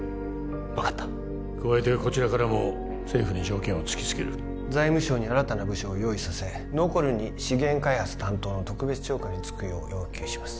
分かった加えてこちらからも政府に条件を突きつける財務省に新たな部署を用意させノコルに資源開発担当の特別長官に就くよう要求します